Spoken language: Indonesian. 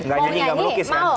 gak nyanyi gak melukis kan